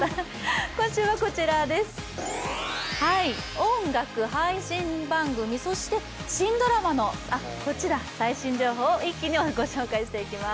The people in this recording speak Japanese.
音楽、配信番組、そして新ドラマの最新情報を一気に御紹介していきます。